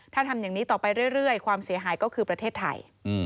ถ้าทำอย่างนี้ต่อไปเรื่อยความเสียหายก็คือประเทศไทย